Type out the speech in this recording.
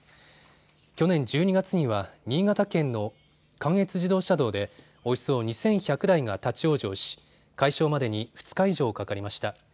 去年１２月には新潟県の関越自動車道でおよそ２１００台が立往生し解消までに２日以上かかりました。